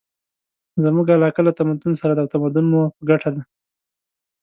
زموږ علاقه له تمدن سره ده او تمدن مو په ګټه دی.